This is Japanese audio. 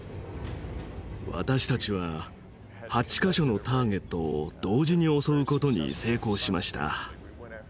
私たちは８か所のターゲットを同時に襲う事に成功しました。